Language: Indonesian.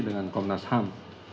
dengan komnas ham